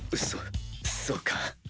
そそうか。